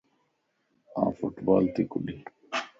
آن فٽبال تي ڪڏين